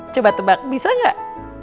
coba tebak bisa gak